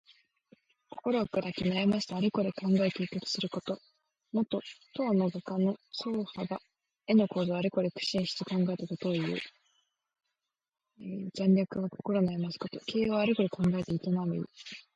心をくだき、悩ましてあれこれ考え計画すること。もと、唐の画家の曹覇が絵の構図をあれこれ苦心して考えたことをいう。「惨憺」は心を悩ますこと。「経営」はあれこれ考えて営む意。